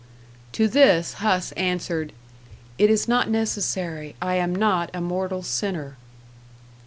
To this Huss answered, "It is not necessary: I am not a mortal sinner."